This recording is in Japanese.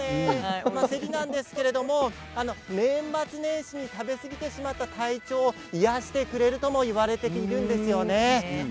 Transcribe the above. このせりなんですけれども年末年始に食べ過ぎてしまった体調を癒やしてくれるともいわれているんですよね。